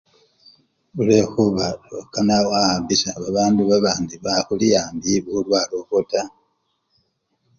Khulwekhuba sewenya wawambisya babandu babandi bakhili simbi bulwale obwo taa.